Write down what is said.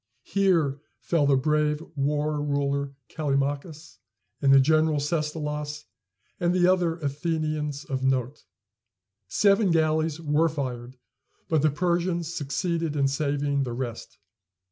Here fell the brave War ruler Callimachus, the general Stesilaus, and other Athenians of note. Seven galleys were fired; but the Persians succeeded in saving the rest.